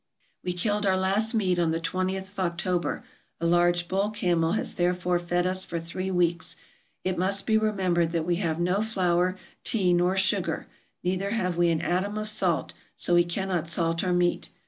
We killed our last meat on the twentieth of October; a large bull camel has therefore fed us for three weeks. It must be remembered that we have no flour, tea, nor sugar; neither have we an atom of salt, so we cannot salt our meat.